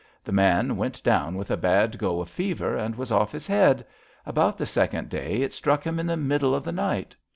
The man went down with a bad go of fever and was off his head. About the second day it struck him in the middle of the night."